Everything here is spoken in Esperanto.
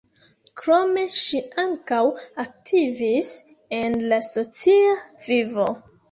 Krome ŝi ankaŭ aktivis en la socia vivo.